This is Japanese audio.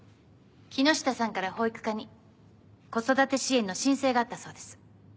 木下さんから保育課に子育て支援の申請があったそうです。